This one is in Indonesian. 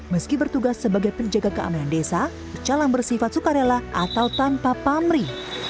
meski bertugas sebagai penjaga keamanan desa pecalang bersifat sukarela atau tanpa pamri